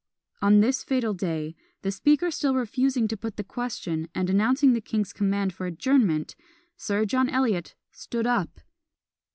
On this fatal day, the Speaker still refusing to put the question, and announcing the king's command for an adjournment, Sir John Eliot stood up!